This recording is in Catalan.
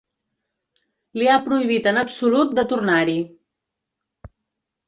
Li ha prohibit en absolut de tornar-hi.